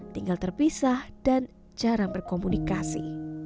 tinggal terpisah dan jarang berkomunikasi